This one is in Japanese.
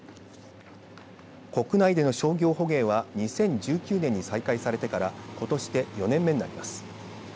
国内での商業捕鯨は２０１９年に再開されてからことしで４年目になります。